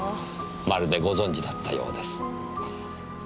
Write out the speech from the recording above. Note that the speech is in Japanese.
まるでご存じだったようです。